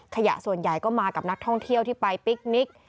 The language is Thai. ขยะส่วนใหญ่ก็มากับนักท่องเที่ยวที่ไปปิ๊กนิก